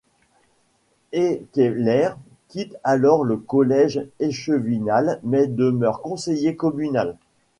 Eekelers quitte alors le collège échevinal mais demeure conseiller communal.